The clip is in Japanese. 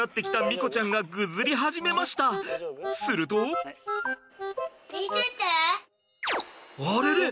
するとあれあれ？